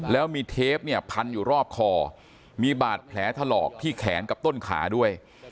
แล้วมีเทปเนี่ยพันอยู่รอบคอมีบาดแผลถลอกที่แขนกับต้นขาด้วย